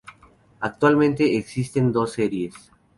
Actualmente existen dos series.